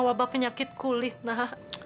wabah penyakit kulit nak